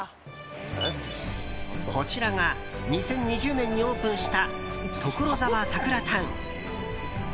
こちらが２０２０年にオープンしたところざわサクラタウン。